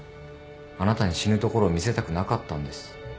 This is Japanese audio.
あなたに死ぬところを見せたくなかったんです。